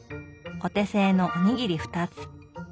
お手製のおにぎり２つ。